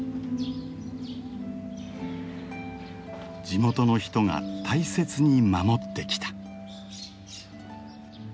地元の人が大切に守ってきた。